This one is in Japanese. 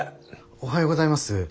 おはようございます。